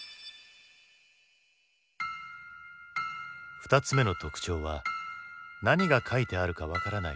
２つ目の特徴は何が書いてあるか分からない